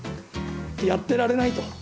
やってられないと。